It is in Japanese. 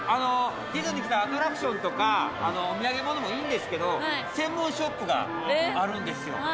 ディズニー来たら、アトラクションとか、お土産物もいいんですけど、専門ショップがあるんですよ。